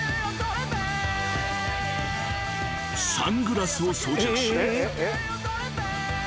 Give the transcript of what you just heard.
［サングラスを装着し］